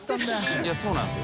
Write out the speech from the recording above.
いやそうなんですよ。